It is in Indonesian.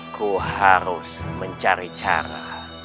aku harus mencari cara